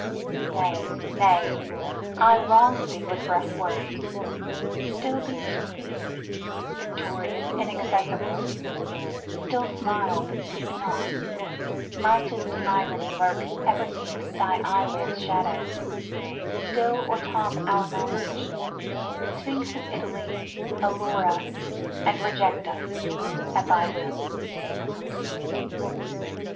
Nay, nay,—I wrong thee with rough words; still beSerene, victorious, inaccessible; Still smile but speak not; lightest ironyLurk ever' neath thy eyelids' shadow; stillO'ertop our knowledge; Sphinx of Italy, Allure us and reject us at thy will!